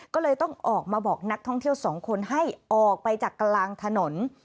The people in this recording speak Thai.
ก็เลยต้องออกมาบอกนักท่องเที่ยวสองคนให้ออกไปจากกลางถนน